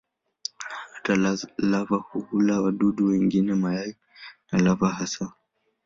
Hata lava hula wadudu wengine, mayai na lava hasa.